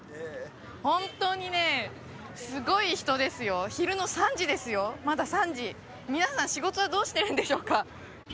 本当にねすごい人ですよ昼の３時ですよまだ３時皆さん仕事はどうしてるんでしょうか？